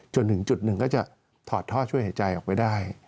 จนถึงจุดหนึ่งก็จะถอดท่อช่วยหายใจออกไปได้